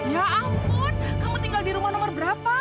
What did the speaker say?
ya ampun kamu tinggal di rumah nomor berapa